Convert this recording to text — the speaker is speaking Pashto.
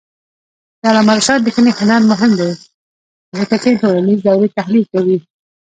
د علامه رشاد لیکنی هنر مهم دی ځکه چې ټولنیز دورې تحلیل کوي.